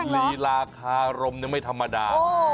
ลีราคารมเนี่ยไม่ธรรมดา